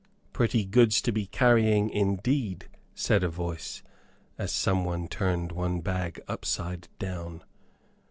"Pretty goods to be carrying, indeed," said a voice, as someone turned one bag upside down.